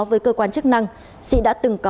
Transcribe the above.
với cơ quan chức năng sĩ đã từng có